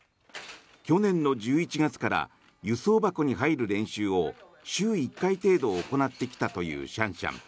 去年の１１月から輸送箱に入る練習を週１回程度行ってきたというシャンシャン。